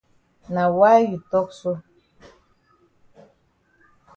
Na why you tok so?